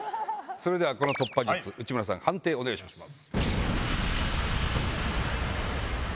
それではこの突破術内村さん判定お願いします。